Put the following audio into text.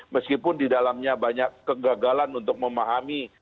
meskipun di dalamnya banyak kegagalan untuk memahami